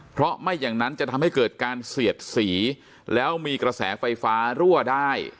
เพราะไม่อย่างนั้นจะทำให้เกิดการเสียดสีแล้วมีกระแสไฟฟ้ารั่วได้